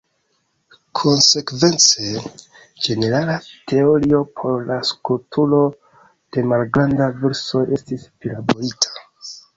Konsekvence, ĝenerala teorio por la strukturo de malgrandaj virusoj estis prilaborita.